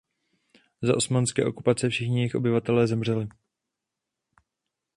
Za osmanské okupace všichni jejich obyvatelé zemřeli.